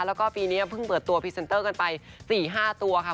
แล้วก็ปีนี้เพิ่งเปิดตัวพรีเซนเตอร์กันไป๔๕ตัวค่ะ